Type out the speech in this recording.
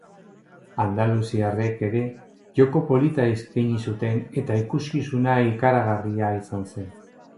Andaluziarrek ere joko polita eskaini zuten eta ikuskizuna ikaragarria izan zen.